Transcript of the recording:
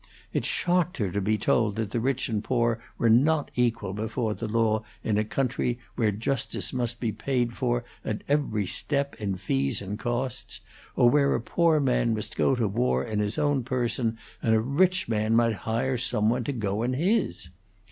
It shocked her to be told that the rich and poor were not equal before the law in a country where justice must be paid for at every step in fees and costs, or where a poor man must go to war in his own person, and a rich man might hire someone to go in his.